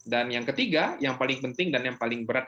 dan yang ketiga yang paling penting dan yang paling berat